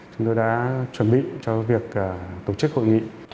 chúng tôi đã chuẩn bị cho việc tổ chức hội nghị